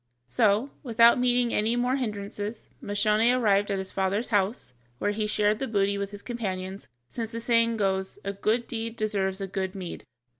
So, without meeting any more hindrances, Moscione arrived at his father's house, where he shared the booty with his companions, since the saying goes, "A good deed deserves a good meed."